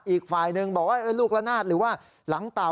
อีกฝ่ายหนึ่งบอกว่าลูกละนาดหรือว่าหลังเต่า